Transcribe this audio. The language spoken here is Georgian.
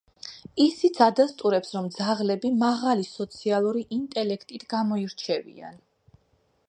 ისიც ადასტურებს, რომ ძაღლები მაღალი სოციალური ინტელექტით გამოირჩევიან.